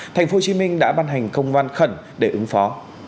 tp hcm đã ban hành công văn khẩn để ứng phó